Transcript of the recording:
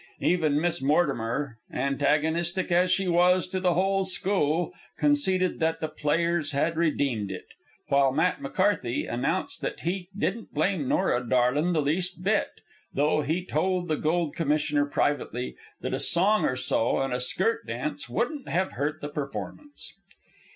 Even Miss Mortimer, antagonistic as she was to the whole school, conceded that the players had redeemed it; while Matt McCarthy announced that he didn't blame Nora darlin' the least bit, though he told the Gold Commissioner privately that a song or so and a skirt dance wouldn't have hurt the performance.